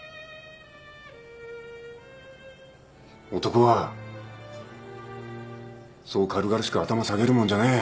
男はそう軽々しく頭下げるもんじゃねえ。